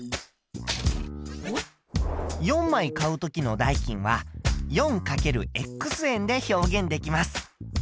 ４枚買う時の代金は４×円で表現できます。